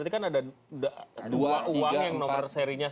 kan ada dua uang yang nomor serinya sama